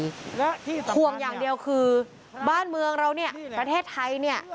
และที่สำคัญอย่างเดียวคือบ้านเมืองเราประเทศไทย